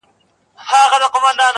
که يې ساتئ د ګيله من غوندې بچي وساتئ